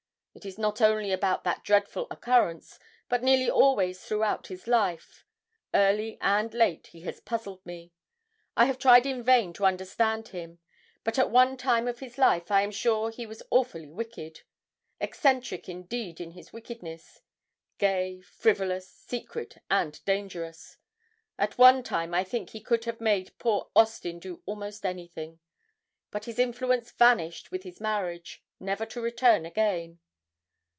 It is not only about that dreadful occurrence, but nearly always throughout his life; early and late he has puzzled me. I have tried in vain to understand him. But at one time of his life I am sure he was awfully wicked eccentric indeed in his wickedness gay, frivolous, secret, and dangerous. At one time I think he could have made poor Austin do almost anything; but his influence vanished with his marriage, never to return again.